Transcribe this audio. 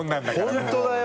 本当だよ。